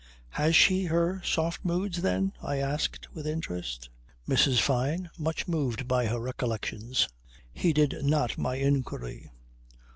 "Has she her soft moods, then?" I asked with interest. Mrs Fyne, much moved by her recollections, heeded not my inquiry.